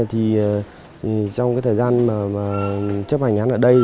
trong thời gian chấp hành án ở đây